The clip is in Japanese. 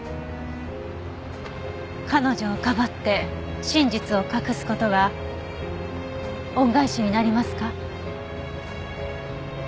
彼女をかばって真実を隠す事が恩返しになりますか？